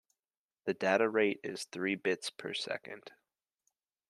The data rate is three bits per second.